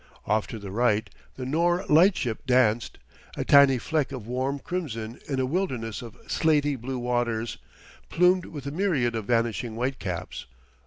Off to the right the Nore Lightship danced, a tiny fleck of warm crimson in a wilderness of slatey blue waters, plumed with a myriad of vanishing white caps.